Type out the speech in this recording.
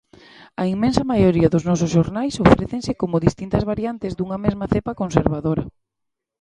A inmensa maioría dos nosos xornais ofrécense como distintas variantes dunha mesma cepa conservadora.